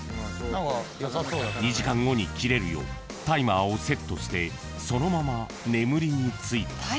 ［２時間後に切れるようタイマーをセットしてそのまま眠りについた］